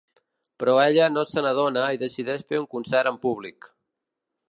Però ella no se n’adona i decideix fer un concert en públic.